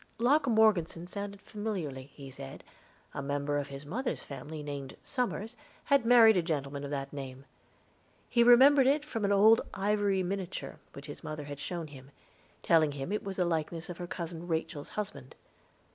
Locke Morgeson sounded familiarly, he said; a member of his mother's family named Somers had married a gentleman of that name. He remembered it from an old ivory miniature which his mother had shown him, telling him it was the likeness of her cousin Rachel's husband.